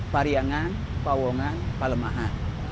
pariangan pawangan pelemahan